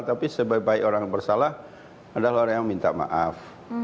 tapi sebaik baik orang yang bersalah adalah orang yang minta maaf